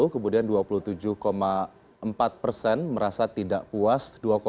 kemudian dua puluh tujuh empat persen merasa tidak puas